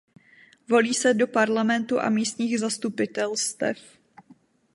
Volí se do parlamentu a místních zastupitelstev.